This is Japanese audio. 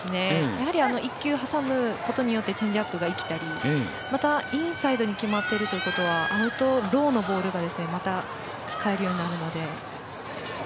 やはり１球はさむことによっていいところに決まったりまた、インサイドに決まっているということはアウトローのボールがまた使えるようになるので。